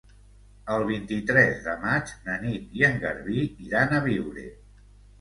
El vint-i-tres de maig na Nit i en Garbí iran a Biure.